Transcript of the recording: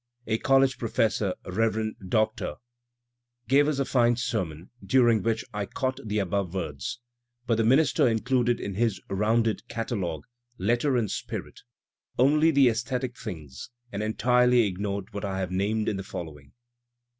A coUege prO" fessor. Rev, Dr. gave us a fine sermon, during which I caught the above words; but the minister included in his * rounded catalogue * letter and spirit, only the esthetic things, and entirely ignored what I have named in the following.